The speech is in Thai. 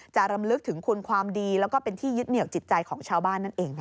รำลึกถึงคุณความดีแล้วก็เป็นที่ยึดเหนียวจิตใจของชาวบ้านนั่นเองค่ะ